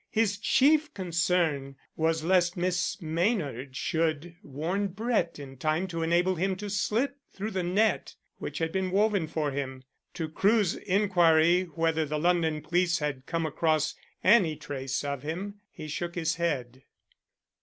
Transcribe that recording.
His chief concern was lest Miss Maynard should warn Brett in time to enable him to slip through the net which had been woven for him. To Crewe's inquiry whether the London police had come across any trace of him he shook his head.